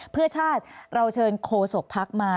เพื่อชาติเราเชิญโคศกพักมา